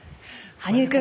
羽生君